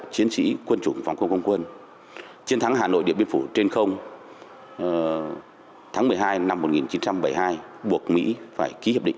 chiến thắng hà nội điện biên phủ trên không tháng một mươi hai năm một nghìn chín trăm bảy mươi hai buộc mỹ phải ký hiệp định